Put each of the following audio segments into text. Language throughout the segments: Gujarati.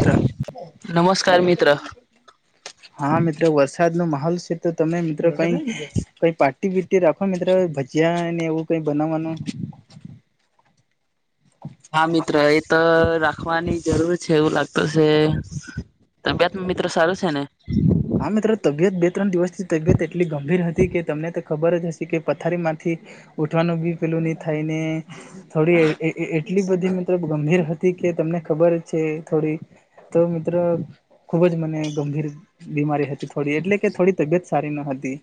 ત્ર [inaudible] નમસ્કાર મિત્ર [inaudible] હા મિત્રો વરસાદ નો માહોલ છે, તો તમે મિત્રો કઈ. કઈ પાર્ટટી પીટી રાખો મિત્રો ભજીયા ને એવું કઈ બનાવવાનું. હા મિત્ર એ તો રાખવાની જરૂર છે, એવું લાગતું છે. [unintelligible] બેંમાં મિત્રો સારું છે, ને. હા મિત્રો તબિયત બે ત્રણ દિવસથી તબિયત એટલી ગંભીર હતી કે તમને તો ખબર જ હશે કે પથારી માંથી. ઉઠવાનું બી પેલું નહી થાય ને. થોડી એટલી બધી મતલબ ગંભીર હતી કે તમને ખબર છે, થોડી. તો મિત્રો ખુબ જ મને ગંભીર. બીમારી હતી થોડી એટલે કે થોડી તબિયત સારી ન હતી.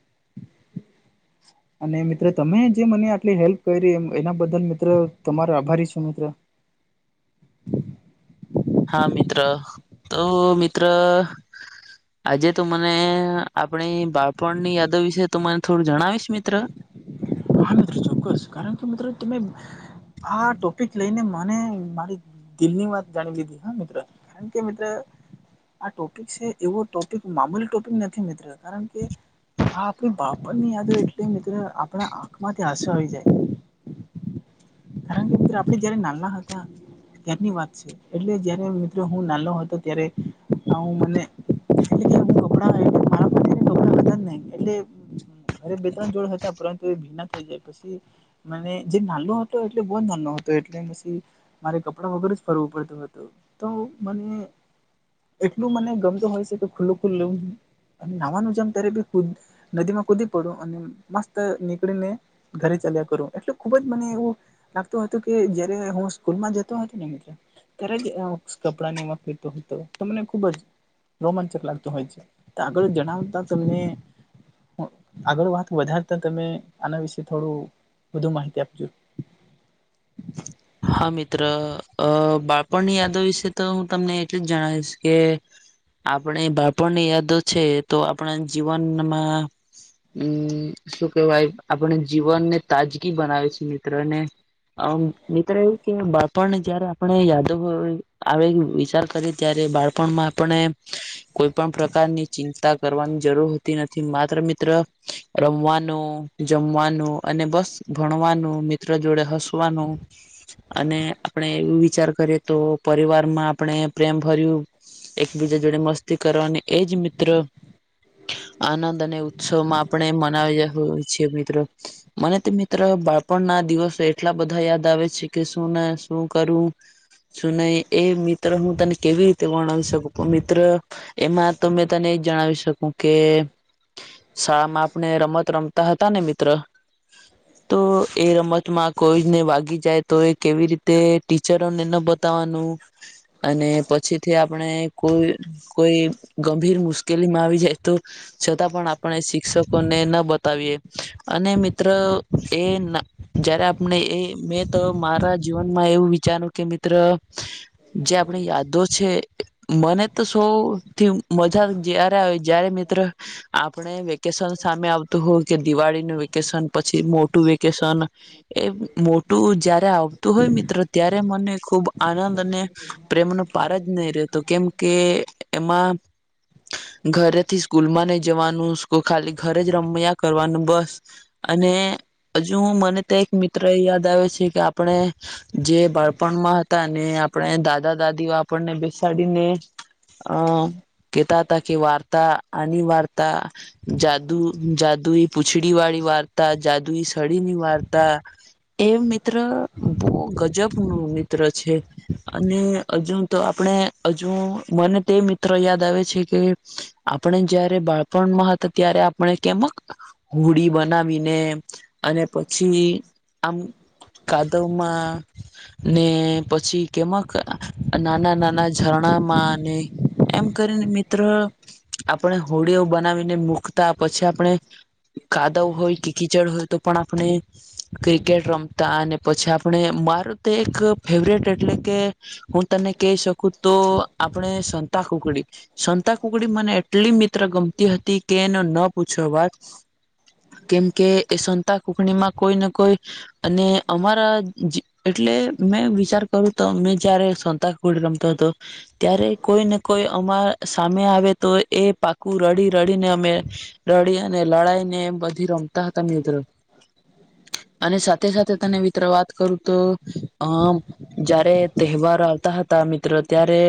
[inaudible] અને મિત્ર તમે જે મને આટલી હેલ્પ કરી એ એના બદલ મિત્રો તમારો આભારી છું મિત્ર. હા મિત્ર તો મિત્ર. આજે તો મને આપણી બાળપણની યાદો વિશે તો મને થોડું જણાવીશ મિત્ર. હા મિત્રો ચોક્કસ કારણ કે મિત્રો તમે આ ટોપિક લઈને મને મારી. દિલની વાત જાણી લીધી હા મિત્ર કારણ કે મિત્ર. આ ટોપિક છે, એવો ટોપિક મામૂલ ટોપિક નથી મિત્ર કારણ કે. હ આપડી [unintelligible] ની યાદ હોય એટલે મિત્ર આપણા આંખમાંથી આસો આવી જાય. કારણ કે મિત આપે જયારે નાના હતા. ત્યારની વાત છે, એટલે જયારે મિત્રો હું નાનો હતો ત્યારે આવું મને. કે હું કપડા એટલે મારા [unintelligible] [unintelligible] ઘરે બે ત્રણ જોડ હતા પરંતુ એ ભીના થઈ જાય પછી મને જે નાલો હતો. એટલે બોંધ ન હતો એટલે પછી મારે કપડાં વગર જ ફરવું પડતું હતું. તો મને એટલું મને ગમતું હોય છે, કે ખુલ્લું ખુલ્લ લેવું. અને નાવાનું જમ ત્યારે બી ખુદ. નદી માં કૂદી પડું અને મસ્ત નીકળીને ઘરે ચાલ્યા કરું એટલે ખુબ જ મને એવું. લાગતું હતું કે જયારે હું સ્કૂલમાં જતો હતો ને. ત્યારે જ કપડાં વાપરતો હતો તમને ખુબ જ. રોમાંચક લાગતો હોય છે, આગળ જણાવતા તમને. આગળ વાત વધારતા તમે આના વિશે થોડું વધુ માહિતી આપજો. હા મિત્ર બાળપણની યાદવ વિશે તો હું તમને એટલું જ જણાવીશ કે.. આપણે બાપણની યાદો છે, તો આપણા જીવનમાં. હમ શું કેહેવાય આપણે જીવનને તાજગી બનાવે છે, મિત્ર ને. [unintelligible] મિત્રો એ કે બાળપણને જયારે આપણે યાદવ આવે વિચાર કરીએ ત્યારે બાળપણમાં. આપણે કોઈ પણ પ્રકારની ચિંતા કરવાની જરૂર હોતી નથી માત્ર મિત્ર. રમવાનું જમવાનું અને બસ ભણવાનું મિત્ર જોડે હસવાનું. અને આપણે એવું વિચાર કરીએ તો પરિવારમાં આપણે પ્રેમ ભર્યું. એકબીજા જોડે મસ્તી કરો અને એજ મિત્ર. આનંદ અને ઉત્સવમાં આપણે મનાવી હોય છેએ મિત્રો. મને તો મિત્ર બાળપણ ના દિવસો એટલા બધા યાદ. બતાવે છે કે શું ના શું કરું. શું નહી એ મિત્ર હું તને કેવી રીતે ગણાવ શકું મિત્ર. એમાં તો તને એજ જણાવી શકું કે શાળામાં આપણે રમત રમતા હતા ને મિત્ર તો એ રમતમાં કોઈ જને વાગી જાય તો એ કેવી રીતે ટીચરોને ન બતાવાનું અને પછી થી આપણે કોઈ કોઈ ગંભીર મુશ્કેલી માં આવી જાય તો છતાં પણ આપણે શિક્ષકોને ના બતાવીએ અને મિત્ર એ જયારે આપને એ મેં તો મારા જીવનમાં એવું વિચાર્યું કે મિત્ર જે આપણી યાદો છે. મને તો સૌથી મજા જય્યારે આવે જય્યારે મિત્ર આપણે વેકેશન સામે આવતું હોય કે દિવાળીનું વેકેશન પછી મોટું વેકેશન એ મોટું જયારે આવતું હોય મિત્ર ત્યારે મને ખૂબ આનંદ અને પ્રેમનો પાર જ નહીં રહેતો કેમ કે એમાં ઘરેથી સ્કૂલમાં નઈ જવાનું ખાલી ઘરે જ રમયા કરવાનું બસ અને હજુ મને તો એક મિત્ર એ યાદ આવે છે કે આપણે જે બાળપણમાં હતા ને આપણે દાદા દાદીઓ આપણને બેસાડીને અમ કેતા હતા કે વાર્તા અને વાર્તા જાદુ જાદુ પૂછડી વાળી વાર્તા જાદુઈ સડીીની વાર્તા એ મિત્ર બહ ગજબ નું મિત્ર છે. અને હજુ તો આપણે હજુ મને તે મિત્ર યાદ આવે છે કે આપણે જયારે બાળપણમાં હતા ત્યારે આપણે કેમ હોડી બનાવીને અને પછી આમ કાદવમાં ને પછી કેમક નાના નાના ઝરણામાં ને એમ કરીને મિત્રો આપણે હોડીઓ બનાવીને મૂકતા પછી આપણે કાદવ હોય કે કીચડ હોય તો પણ આપણે ક્રિકેટ રમતા અને પછી આપણે મારું તો એક ફેવરેટ એટલે કે હું તને કહી શકું તો આપણે સંતા કુકડી સંતા કુકડી મને એટલી મિત્ર ગમતી હતી કે એનો ન પૂછ્યો વાત કેમકે એ સંતા કોકણીમાં કોઈને કોઈ અને અમારા એટલે મેં વિચાર કરું તો મેં જયારે સોતાક કોોડી રમતો હતો. ત્યારે કોઈને કોઈ અમા સામે આવે તો એ પાકું રડી રડીને અમે રડી ને લડાઈ ને એ બધી રમતા હતા ની અંદર અને સાથે સાથે તને મિત્ર વાત કરું તો અમ જારે તહેવારો આવતા હતા મિત્રો ત્યારે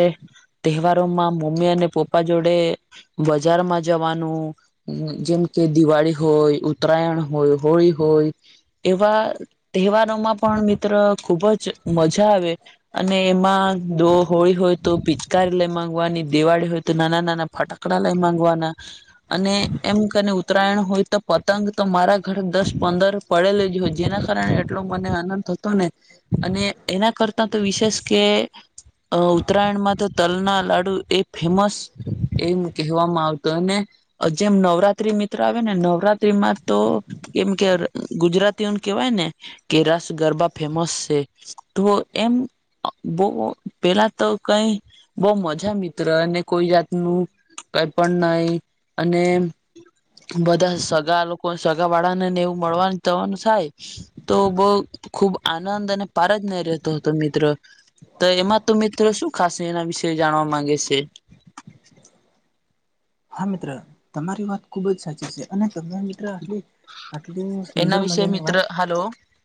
તહેવારોમાં મમ્મી અને પપ્પા જોડે બજારમાં જવાનું જેમ કે દિવાળી હોય ઉતરાયણ હોય હોળી હોય એવા તહેવારોમાં પણ મિત્ર ખુબ જ મજા આવે અને એમાં જો હોળી હોય તો ભીચકારી લય ગવાની દિવાળી હોય તો નાના નાના ફટાક કકડા લઈ માગવાના અને એમ કરી ઉત્તરાયણ હોય તો પતંગ તો મારા ઘર દસ પંદર પડેલીજ હો જેના કારણે એટલો મને આનંદ થતો ને અને એના કરતા તો વિશેષ કે અ ઉત્તરાયણમાં તો તલ ના લાડુ એ ફેમસ એમ કહેવામાં આવતોું અને જેમ નવરાત્રી મિત્ર આવે ને નવરાત્ર્રીમાં તો કેમ કે ગુજરાતીઓને કેવાય ને કે રસ ગરબા ફેમસ છે. તો એમ બહ પેલા તો કઈ બહ મજા મિત્ર અને કોઈ જાતનું કઈ પણ નઈ અને બધા સગા લોકો સગા વાળા નેને એવું મળવાનું જવાનું થાય. તો બહ ખુબ આનંદ અને પાર જ ન રહેતો હતો મિત્ર તો એમાં તો મિત્રો શું ખાશે એના વિશે જાણવા માંગે છે હા મિત્ર તમારી વાત ખુબ જ સાચી છે અને તને મિત્ર આટલી આટલી સુંદર એના વિશે મજાની મિત્ર વાત હલો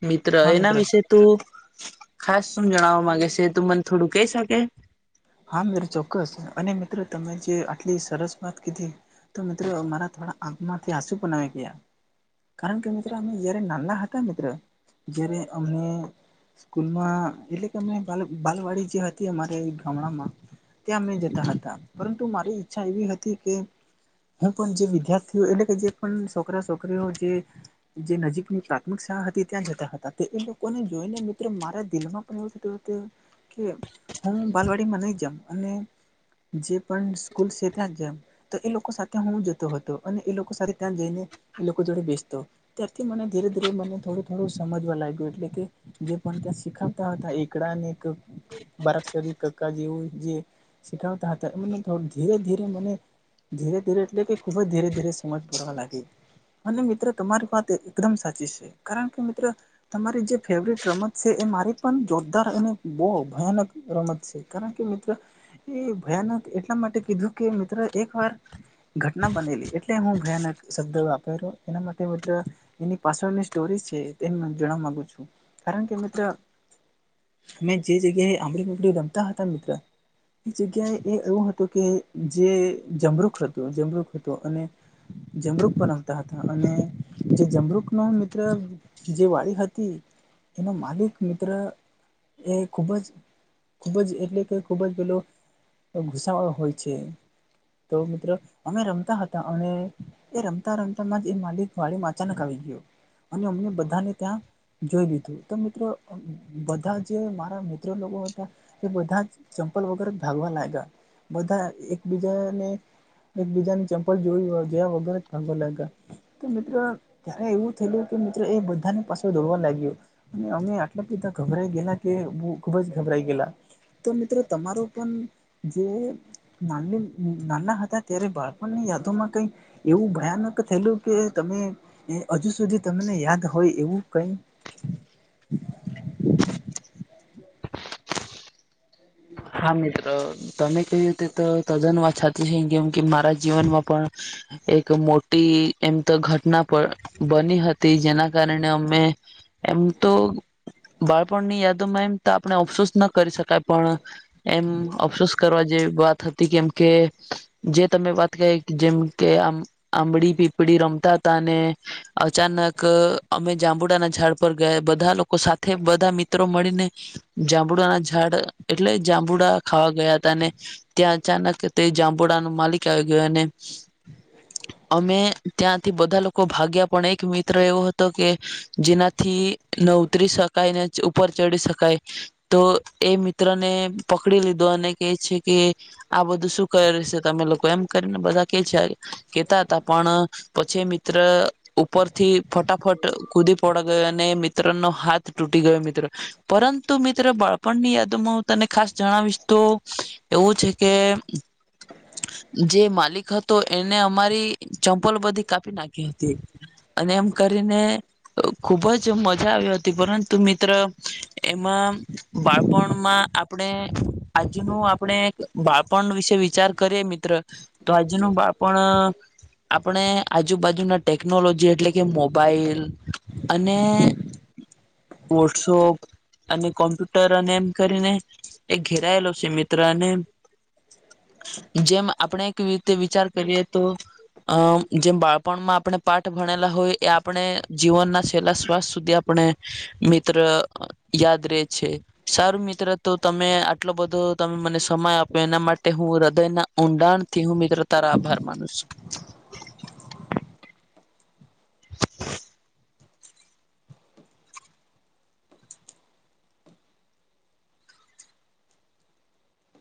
મિત્ર હા એના મિત્ર વિશે તો ખાસ શું જણાવવા માંગે છે તો મને થોડું કહી શકે હા મિત્ર ચોક્કસ અને મિત્રો તમે જે આટલી સરસ વાત કીધી તો મિત્રો મારા થોડા આંખ માંથી આંસુ પણ આવી ગયા કારણ કે મિત્ર અમે જયારે નાના હતા મિત્ર જય્યારે અમને સ્કૂલમાં એટલે કે અને બાલવાડી જે હતી અમારે ત્યાં મેં જતા હતા પરંતુ મારી ઈચ્છા એવી હતી કે હું પણ જે વિદ્યાર્થીઓ એટલે કે જે પણ છોકરા છોકરીઓ જે જે નજીકની પ્રાથમિક શાળા હતી ત્યાં જતા હતા તે એ લોકોને જોઈને મિત્રો મારા દિલમાં એવું થતું કે હું બાલવાડીમાં નહી જામ અને જે પણ સ્કૂલ છે ત્યાં જ જામ તો એ લોકો સાથે હું જતો હતો અને એ લોકો સાથે ત્યાં જઈને એ લોકો જોડે બેસતો ત્યારથી મને ધીરે ધીરે મને થોડું થોડું સમજવા લાગ્યું એટલે કે જે પણ ત્યા શીખવતા હતા એકડા અને એક બારાકસરી કકા જેવું જે શીખવતા હતા એમને ધીરે ધીરે મને ધીરે ધીરે એટલે કે ખુબજ ધીરે ધીરે સમજ પડવા લાગી. અને મિત્ર તમારી વાત એકદમ સાચી છે કારણ કે મિત્ર તમારી જે ફેવરટ રમત છે એ મારી પણ જોરદાર અને બહ ભયાનક રમત કારણ કે મિત્ર એ ભયાનક એટલા માટે કીધું કે મિત્ર એક વાર ઘટના બનેલી એટલે હું ભયાનક શબ્દો વાપરુ એના માટે મિત્ર એની પાસડ ની સ્ટોરી છે તે જાણવા માગુ છું કારણ કે મિત્ર અમે જે જગ્યાએ આંબા પીપડી રમતા હતા મિત્ર એક જગ્યાએ એ એવું હતું કે જે જમરૂક હતું જમરૂક હતું અને જમરુક પરવતા હતા અને જે જમરૂક નો મિત્ર જે વાળ હતી એનો માલિક મિત્ર એ ખુબ જ ખૂબ જ એટલે કે ખૂબ જ પેલો ગુસ્સા વાળો હોય છે. તો મિત્ર અમે રમતા હતા અને એ રમતા રમતા માજ એ માલિક વાળીમાં અચાનક આવી ગયો અને અમને બધાને ત્યાં જોઈ લીધું તો મિત્રો બધા જે મારા મિત્ર લોકો એ બધા જ ચંપલ વગર ભાગવા લાગ્યા બધા એકબીજાને એકબીજાની ચંપલ જોય હોધ્યા વગર ભાગવા લાયગા કે મિત્રો ત્યારે એવું થયું કે મિત્રો એ બધાને પાસળ દોડવા લાગ્યો અને અમે આટલા બધા ગભરાઈ ગયેલા કે ખુબ જ ગભરાઈ ગેલા તો મિત્રો તમારો પણ જો ના નાના હતા ત્યારે બાળપણની યાદોમાં કઈ એવું ભયાનક થયેલું કે તમે હજુ સુધી તમને યાદ હોય એવું કઈ [inaudible] હા મિત્ર તમે ક્યું તેતો તદ્દન વાત હાચી છે કેમ કે મારા જીવનમાં પણ એક મોટી એમ તો ઘટના પર બની હતી જેના કારણે અમે એમ તો બાળપણની યાદોમાં એમ તો આપણે અફસોસ ના કરી શકાય પણ એમ અફસોસ કરવા જેવી વાત હતી કેમ કે જે તમે વાત કરી જેમ કે આ આંબડી પીપળી રમતા હતા અને અચાનક અમે જાંબુડાના ઝાડ પર ગયા બધા લોકો સાથે બધા મિત્રો મળીને જાંબુ ના ઝાડ એટલે જાંબુડા ખાવા ગયા હતા ને ત્યાં અચાનક તે જાંબુડા નો માલિક આવી ગયો અને અમે ત્યાંથી બધા લોકો ભાગ્યા, પણ એક મિત્ર એવો હતો કે, જેના થી ન ઉતરી શકાય, ને ઉપર ચડી શકાય. તો એ મિત્રને પકડી લીધો, અને કે છે કે આ બધું શું કર્યું સે તમે લોકો એ, એમ કરીને બધા કેચાય કેતા હતા, પણ પછી એ મિત્ર ઉપરથી ફટાફટ કૂદી પડ ગયો, ને એ મિત્ર નો હાથ તૂટી ગયો મિત્ર. પરંતુ મિત્ર બાળપણની યાદોમાં હું તને ખાસ જણાવીશ તો એવું છે કે, જે માલિક હતો. એને અમારી ચંપલો બધી કાપી નાખી હતી, અને એમ કરીને અ ખુબજ મજા આવી હતી, પરંતુ મિત્ર એમાં બાળપણમાં આપણે આજનું આપણે બાળપણ વિશે વિચાર કરીએ મિત્ર. તો આજનું બાળપણ આપણે આજુબાજુના ટેકનોલોજી, એટલે કે મોબાઈલ અને, વોટસોપ અને કોમ્પ્યુટર અને એમ કરીને, એ ઘેરાયેલો છે મિત્ર, અને જેમ આપણે એક વીતે વિચાર કરીએ તો. અમ, જેમ બાળપણમાં આપણે પાઠ ભણેલા હોય, એ આપણે જીવનના છેલ્લા શ્વાસ સુધી આપણે મિત્ર યાદ રે છે. સારું મિત્ર, તો તમે આટલો બધો તમે મને સમય આપ્યો એના માટે હું હૃદયના ઊંડાણ થી હું મિત્ર તારા આભાર માનું છું.